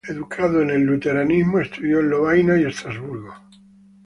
Educado en el luteranismo, estudió en Lovaina y Estrasburgo.